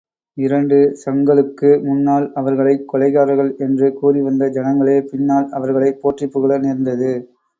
இரண்டு ஷங்களுக்கு முன்னால் அவர்களைக் கொலைகாரர்கள் என்று கூறிவந்த ஜனங்களே, பின்னால் அவர்களைப் போற்றிப்புகழ நேர்ந்தது!